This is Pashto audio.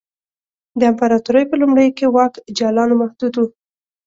د امپراتورۍ په لومړیو کې واک جالانو محدود و